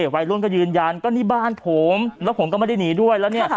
วัยรุ่นก็ยืนยันก็นี่บ้านผมแล้วผมก็ไม่ได้หนีด้วยแล้วเนี่ย